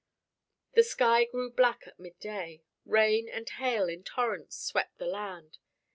The sky grew black at midday, rain and hail in torrents swept the land.